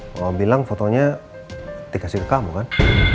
mama bilang fotonya dikasih ke kamu kan